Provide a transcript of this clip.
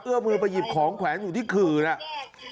เอื้อมือไปหยิบของแขวนอยู่ที่ขื่อเนี่ย